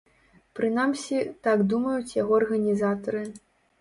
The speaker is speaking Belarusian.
Прынамсі, так думаюць яго арганізатары.